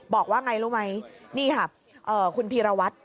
บอกว่าไงรู้ไหมนี่ค่ะคุณธีรวัตร